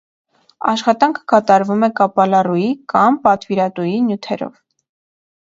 Աշխատանքը կատարվում է կապալառուի կամ պատվիրատուի նյութերով։